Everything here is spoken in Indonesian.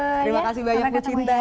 terima kasih banyak bu cinta